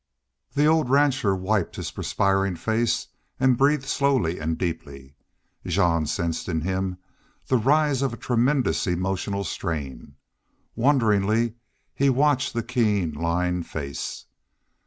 The old rancher wiped his perspiring face and breathed slowly and deeply. Jean sensed in him the rise of a tremendous emotional strain. Wonderingly he watched the keen lined face.